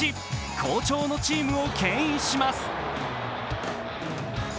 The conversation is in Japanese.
好調のチームをけん引します。